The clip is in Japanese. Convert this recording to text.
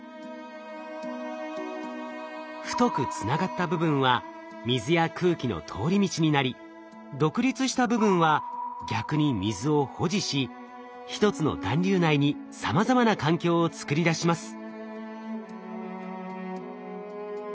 太くつながった部分は水や空気の通り道になり独立した部分は逆に水を保持し一つの団粒内にさまざまな環境を作り出します。